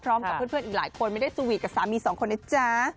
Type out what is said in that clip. พร้อมกับเพื่อนอีกหลายคนไม่ได้สวีทกับสามีสองคนนะจ๊ะ